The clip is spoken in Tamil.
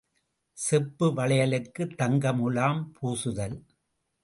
செப்பு வளையலுக்குத் தங்க முலாம் பூசுதல்.